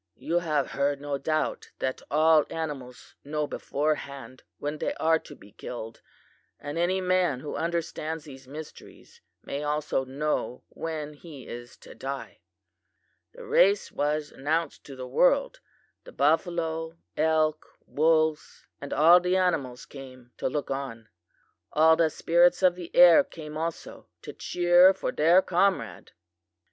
You have heard, no doubt, that all animals know beforehand when they are to be killed; and any man who understands these mysteries may also know when he is to die.' "The race was announced to the world. The buffalo, elk, wolves and all the animals came to look on. All the spirits of the air came also to cheer for their comrade.